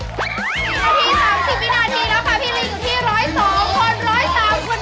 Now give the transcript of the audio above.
๔นาที๓๐นาทีแล้วค่ะพี่ลิง